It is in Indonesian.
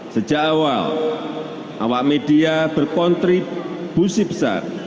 sejak awal awak media berkontribusi besar